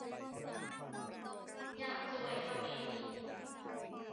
อยากสวยทำไงดี